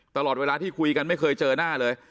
ตลอดเวลาที่คุยกันไม่เคยเจอหน้าเลย